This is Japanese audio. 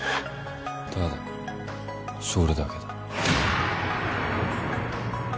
ただそれだけだ。